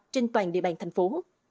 trên toàn địa bàn thành phố